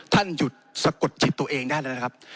ท่านหยุดสะกดจิตตัวเองได้แล้วนะครับ